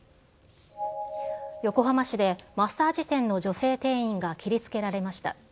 横浜市でマッサージ店の女性店員が切りつけられました。